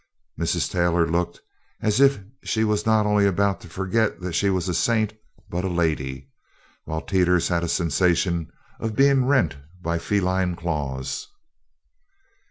Mrs. Taylor looked as if she was not only about to forget that she was a saint but a lady, while Teeters had a sensation of being rent by feline claws.